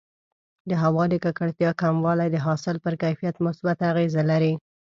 د هوا د ککړتیا کموالی د حاصل پر کیفیت مثبت اغېز لري.